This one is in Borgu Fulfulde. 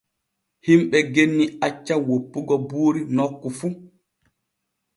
Himɓe genni acca woppugo buuri nokku fu.